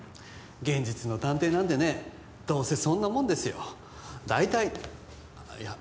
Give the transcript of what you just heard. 現実の探偵なんてねどうせそんなもんですよ大体あっいや